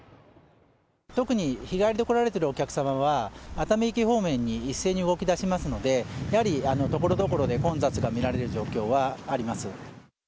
特に日帰りで来られてるお客様は、熱海駅方面に一斉に動きだしますので、やはりところどころで混雑が見られる状況はあります。